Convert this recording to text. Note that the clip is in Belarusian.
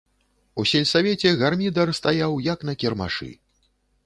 У сельсавеце гармідар стаяў, як на кірмашы.